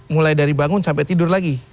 mulai dari bangun sampai tidur lagi